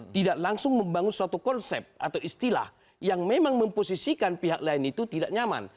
tidak langsung membangun suatu konsep atau istilah yang memang memposisikan pihak lain itu tidak nyaman